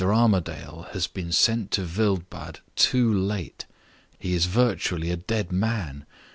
Armadale has been sent to Wildbad too late: he is virtually a dead man.